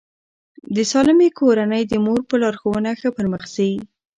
د سالمې کورنۍ د مور په لارښوونه ښه پرمخ ځي.